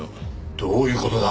どういう事だ？